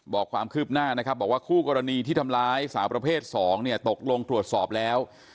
บอกว่าคู่กรณีที่ทำลายสาวประเภท๒ตกลงตรวจสอบแล้ว